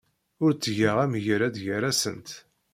Ur ttgeɣ amgerrad gar-asent.